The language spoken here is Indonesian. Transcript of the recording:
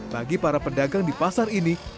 bagi para pedagang di pasar ini